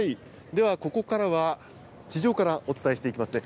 ではここからは、地上からお伝えしていきますね。